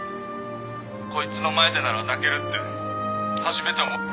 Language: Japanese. こいつの前でなら泣けるって初めて思っ。